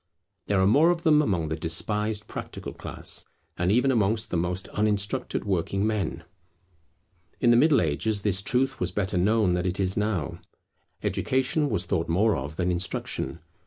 There are more of them among the despised practical class, and even amongst the most uninstructed working men. In the Middle Ages this truth was better known than it is now. Education was thought more of than instruction.